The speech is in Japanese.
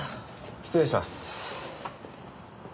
失礼します。